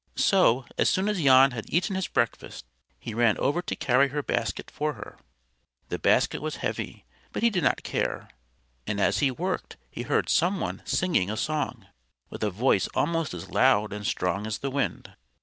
So, as soon as Jan had eaten his breakfast, he ran over to carry her basket for her. The basket was heavy, but he did not care; and as he worked he heard some one singing a song, with a voice almost as loud and as strong as the wind.